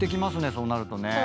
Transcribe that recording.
そうなるとね。